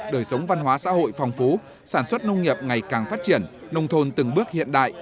đời sống văn hóa xã hội phong phú sản xuất nông nghiệp ngày càng phát triển nông thôn từng bước hiện đại